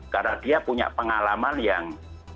karena dia punya pengalaman yang